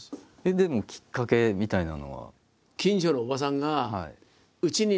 でもきっかけみたいなのは？